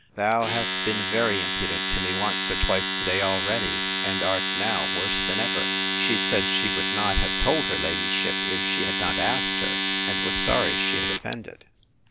Thou hast been very impudent to me once or twice to day already, and art now worse than ever. She said, She would not have told her ladyship, if she had not asked her; and was sorry she had offended.